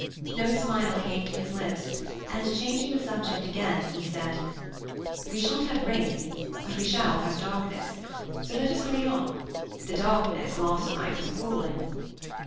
No smile came to his lips, and, changing the subject again, he said: "We shan't have rain, but we shall have darkness, so let us hurry on. The darkness last night was appalling."